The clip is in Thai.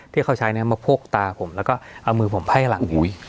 ที่เขาใช้เนี่ยมาโพกตาผมแล้วก็เอามือผมไพ่หลังอุ้ย